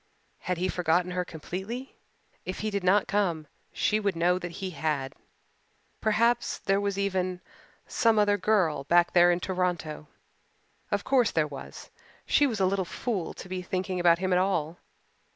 Had he forgotten her completely? If he did not come she would know that he had. Perhaps there was even some other girl back there in Toronto. Of course there was. She was a little fool to be thinking about him at all.